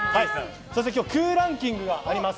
そして空欄キングがあります。